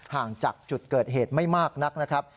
ห่างจากจุดเกิดเหตุไม่มากนักนะครับ